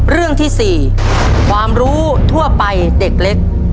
เรื่องที่๔ความรู้ทั่วไปเด็กเล็ก